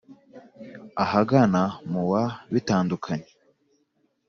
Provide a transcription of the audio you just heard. ahagana mu wa Bitandukanye